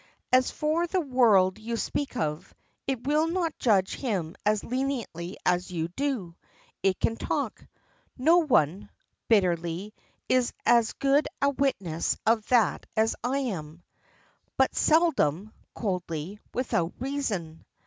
"As for the world you speak of it will not judge him as leniently as you do. It can talk. No one," bitterly, "is as good a witness of that as I am." "But seldom," coldly, "without reason."